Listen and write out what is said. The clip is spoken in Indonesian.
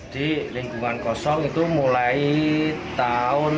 di lingkungan kosong itu mulai tahun